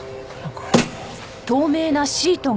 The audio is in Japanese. これ。